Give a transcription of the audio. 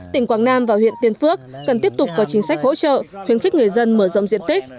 tỉnh quảng nam và huyện tiên phước cần tiếp tục có chính sách hỗ trợ khuyến khích người dân mở rộng diện tích